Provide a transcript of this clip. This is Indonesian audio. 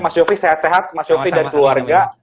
mas sofi sehat sehat mas sofi dan keluarga